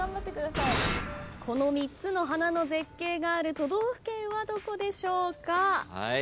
この３つの花の絶景がある都道府県はどこでしょうか？